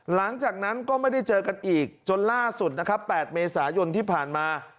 หลังจากนั้นก็ไม่ได้เจอกันอีกจนล่าสุดนะครับ๘เมษายนที่ผ่านมา